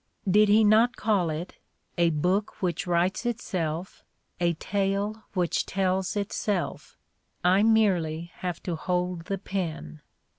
Did he not call it "a book which writes itself, a tale which tells itself: I merely have to hold the pen"?